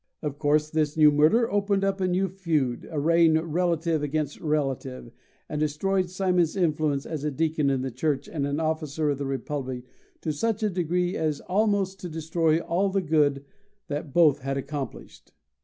Of course, this murder opened up a new feud, arraying relative against relative, and destroyed Simon's influence as a deacon in the church and an officer of the republic to such a degree as almost to destroy all the good that both had accomplished.